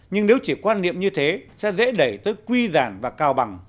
nhưng nếu chỉ quan niệm như thế sẽ dễ đẩy tới quy giản và cao bằng